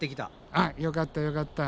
あっよかったよかった。